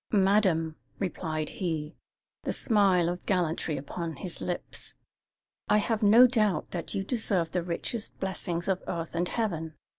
"Madam," replied he, the smile of gallantry upon his lips, "I have no doubt that you deserve the richest blessings of earth and heaven.